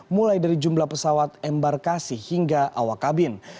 mulai dari jumlah pesawat embarkasi hingga awak kabin